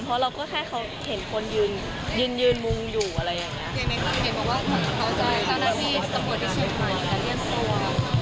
เพราะเราก็เค้าเห็นเขาเห็นคนยืนมุ่งอยู่อะไรอย่างนี้